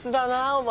お前